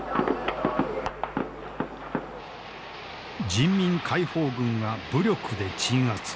人民解放軍が武力で鎮圧。